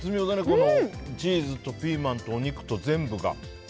このチーズとピーマンとお肉の全部が。